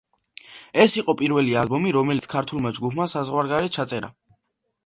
ეს იყო პირველი ალბომი, რომელიც ქართულმა ჯგუფმა საზღვარგარეთ ჩაწერა.